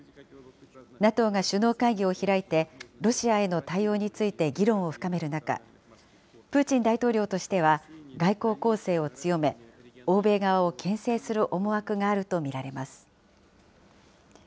ＮＡＴＯが首脳会議を開いて、ロシアへの対応について議論を深める中、プーチン大統領としては、外交攻勢を強め、欧米側をけん制する思惑があると見られます。